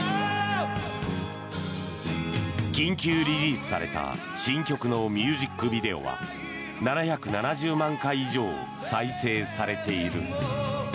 緊急リリースされた新曲のミュージックビデオは７７０万回以上再生されている。